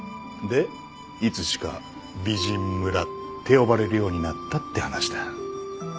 でいつしか美人村って呼ばれるようになったって話だ。